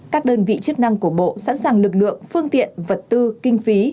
các đơn vị chức năng của bộ sẵn sàng lực lượng phương tiện vật tư kinh phí